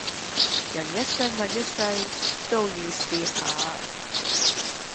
人一世物一世都要試下